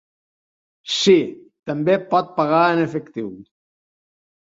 Sí, també pot pagar en efectiu.